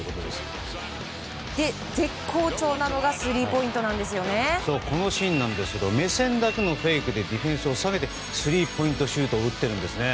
絶好調なのがこのシーンなんですが目線だけのフェイクでディフェンスを下げてスリーポイントシュートを打っているんですね。